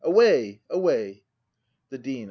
Away! away! The Dean.